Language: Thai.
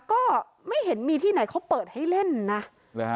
ก็ไม่เห็นมีที่ไหนเขาเปิดให้เล่นนะหรือฮะ